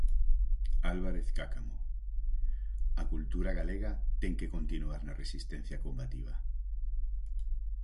Álvarez Cácamo: A cultura galega ten que continuar na resistencia combativa.